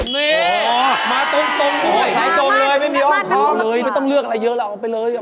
ไม่มาตรงเลยไม่ต้องเลือกอะไรเยอะเอาไปเลย